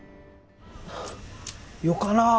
よかなぁ